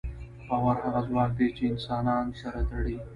باور هغه ځواک دی، چې انسانان سره تړي.